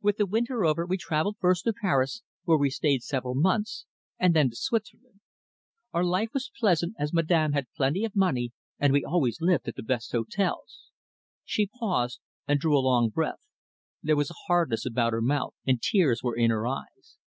With the winter over we travelled first to Paris, where we stayed several months, and then to Switzerland. Our life was pleasant, as Madame had plenty of money and we always lived at the best hotels." She paused and drew a long breath. There was a hardness about her mouth, and tears were in her eyes.